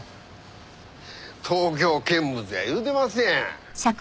東京見物や言うてますやん。